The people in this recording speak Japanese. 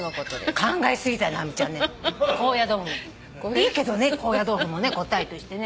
いいけどね高野豆腐もね答えとしてね。